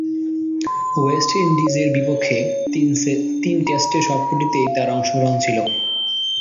West ইন্ডিজের বিপক্ষে তিন টেস্টের সবকটিতেই তার অংশগ্রহণ ছিল।